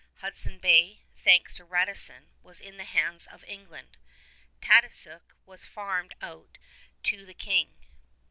Hudson Bay, thanks to Radisson, was in the hands of England. Taudoussac was farmed out to the King.